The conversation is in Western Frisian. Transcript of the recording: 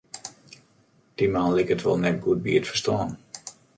Dy man liket wol net goed by it ferstân.